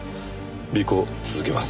尾行続けます。